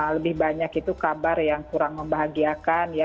lebih banyak itu kabar yang kurang membahagiakan ya